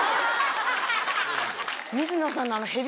水野さんの。